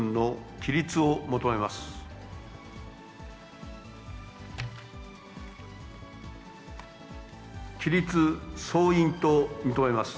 起立総員と認めます。